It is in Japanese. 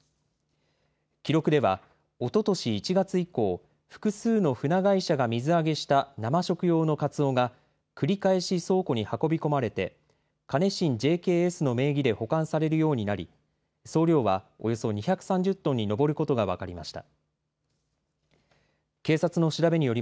記録では、おととし１月以降、複数の船会社が水揚げした生食用のカツオが、繰り返し倉庫に運び込まれて、カネシンＪＫＳの名義で保管されるようになり、総量はおよそ２３０トンに上ることが分かりました。